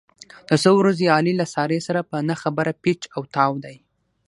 دا څو ورځې علي له سارې سره په نه خبره پېچ او تاو دی.